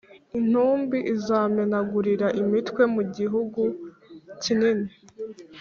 intumbi Izamenagurira imitwe mu gihugu kinini